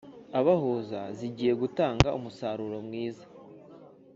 abahuza zigiye gutanga umusaruro mwiza.